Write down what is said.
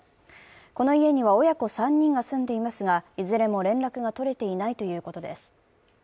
この家には親子３人が住んでいますがいずれも連絡が取れていないということです。